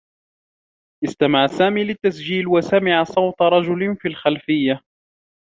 استمع سامي للتّسجيل و سمع صوت رجل في الخلفيّة.